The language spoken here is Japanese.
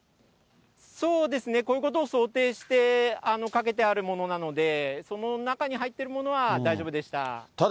そうですね、こういうことを想定してかけてあるものなので、その中に入っているものは大丈夫でした。